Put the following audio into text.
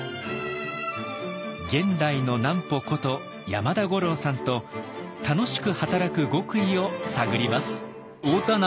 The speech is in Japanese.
現代の南畝こと山田五郎さんと楽しく働く極意を探ります。